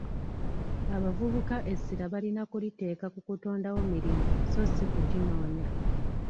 Abavubuka essira balina kuliteeka ku kutondawo mirimu sso si kuginoonya.